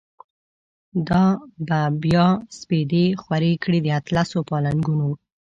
دا به بیا سپیدی خوری کړی، داطلسو پالنګونو